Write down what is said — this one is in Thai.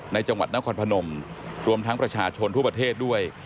จังหวัดนครพนมรวมทั้งประชาชนทั่วประเทศด้วย